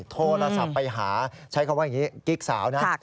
โทรศัพท์ไปหาใช้คำว่าอย่างนี้กิ๊กสาวนะ